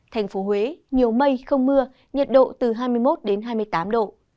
thành phố huế nhiều mây không mưa nhiệt độ từ hai mươi một đến hai mươi tám độ